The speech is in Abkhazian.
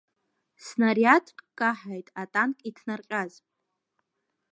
Снариадк каҳаит атанк иҭнарҟьаз…